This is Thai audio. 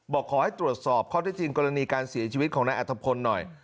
บอกขอให้ตรวจสอบข้อที่จริงกรณีการเสียชีวิตของนายอัฐพลหน่อย